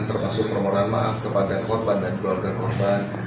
termasuk permohonan maaf kepada korban dan keluarga korban